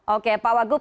oke pak wagub